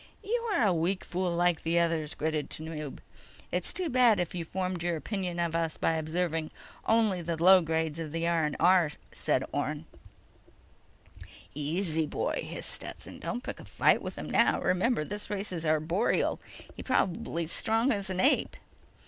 _ "You are a weak fool like the others," gritted Tanub. "It's too bad you formed your opinion of us by observing only the low grades of the R&R," said Orne. "Easy, boy," hissed Stetson. _"Don't pick a fight with him now. Remember, his race is arboreal. He's probably as strong as an ape."